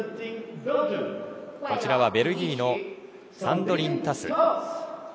こちらはベルギーのサンドリーヌ・タス。